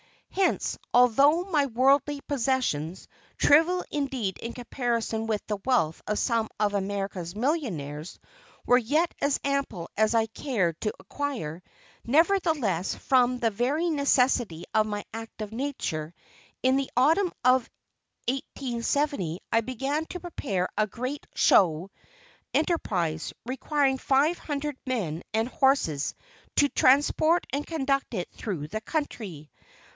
Hence, although my worldly possessions trivial indeed in comparison with the wealth of some of America's millionaires were yet as ample as I cared to acquire, nevertheless from the very necessity of my active nature, in the Autumn of 1870 I began to prepare a great show enterprise, requiring five hundred men and horses to transport and conduct it through the country.